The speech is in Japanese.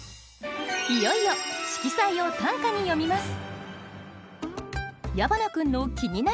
いよいよ色彩を短歌に詠みます。